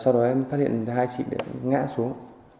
và sau đó em phát hiện ra hai chị ngã xuống